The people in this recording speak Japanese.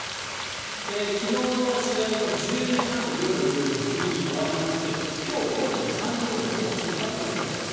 昨日の試合が夜１０時半過ぎに終わりまして今日午前３時ごろもう出発しております。